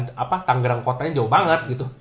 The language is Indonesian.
apa tanggerang kotanya jauh banget gitu